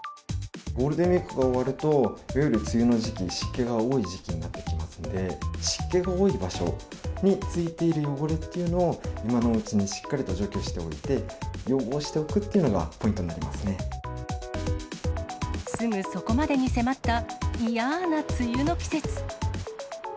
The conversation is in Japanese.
ゴールデンウィークが終わると、いわゆる梅雨の時期、湿気が多い時期になってきますので、湿気が多い場所についている汚れっていうのを、今のうちにしっかりと除去しておいて、予防しておくっていうのがポイントになりますぐそこまでに迫った、嫌な梅雨の季節。